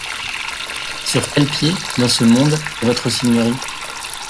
Sur quel pied, dans ce monde, est Votre Seigneurie ?